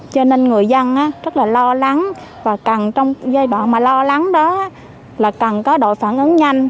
cho nên người dân rất là lo lắng và cần trong giai đoạn mà lo lắng đó là cần có đội phản ứng nhanh